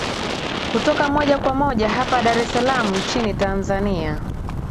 kutoka moja kwa moja hapa dar es salam nchini tanzania